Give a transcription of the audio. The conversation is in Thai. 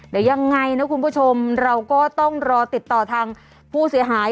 เดี๋ยวยังไงนะคุณผู้ชมเราก็ต้องรอติดต่อทางผู้เสียหาย